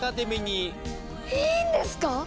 いいんですか⁉